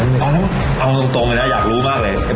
เอาตรงเลยนะอยากรู้มากเลย